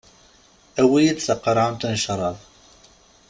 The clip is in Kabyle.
Awi-yi-d taqerɛunt n cṛab.